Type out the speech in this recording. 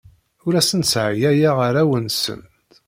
Ur asent-sseɛyayeɣ arraw-nsent.